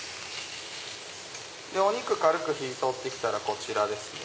お肉軽く火通って来たらこちらですね。